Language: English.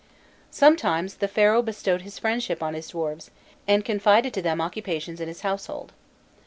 Sometimes the Pharaoh bestowed his friendship on his dwarfs, and confided to them occupations in his household.